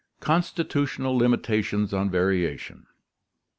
Constitutional Limitations on Variation.